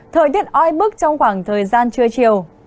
thời tiết oi bức trong khoảng thời gian trưa chiều